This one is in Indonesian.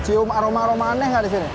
cium aroma aroma aneh nggak di sini